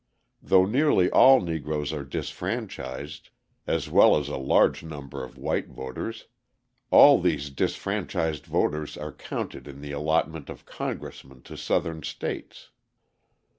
Though nearly all Negroes are disfranchised, as well as a large number of white voters, all these disfranchised voters are counted in the allotment of Congressmen to Southern states.